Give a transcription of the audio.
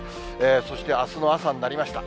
そしてあすの朝になりました。